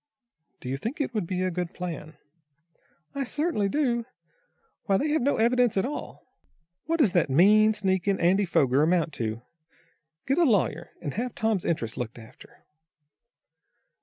"Do you think it would be a good plan?" "I certainly do. Why they have no evidence at all! What does that mean, sneaking Andy Foger amount to? Get a lawyer, and have Tom's interests looked after."